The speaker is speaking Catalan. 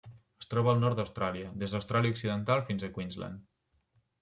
Es troba al nord d'Austràlia: des d'Austràlia Occidental fins a Queensland.